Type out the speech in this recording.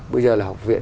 bây giờ là học viện